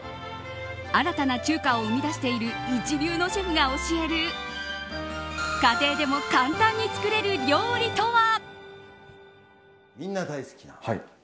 新たな中華を生み出している一流のシェフが教える家庭でも簡単に作れる料理とは？